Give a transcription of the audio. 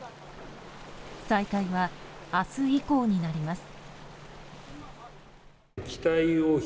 再開は明日以降になります。